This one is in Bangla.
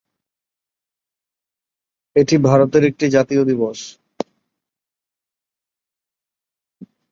এটি ভারতের একটি জাতীয় দিবস।